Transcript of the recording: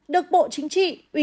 được bộ chính trị